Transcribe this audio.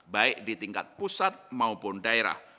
baik di tingkat pusat maupun daerah